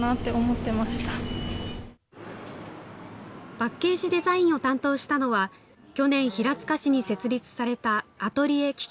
パッケージデザインを担当したのは、去年平塚市に設立されたアトリエ嬉々！